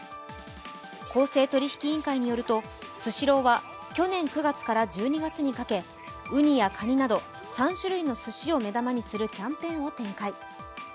公正取引委員会によるとスシローは去年９月から１２月にかけ、うにやかになど３種類のすしを目玉にするキャンペーンを展開。